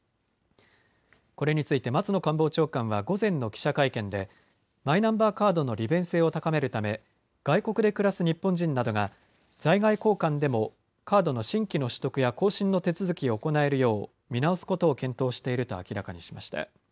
これについて松野官房長官は午前の記者会見でマイナンバーカードの利便性を高めるため外国で暮らす日本人などが在外公館でもカードの新規の取得や更新の手続きを行えるよう見直すことを検討していると明らかにしました。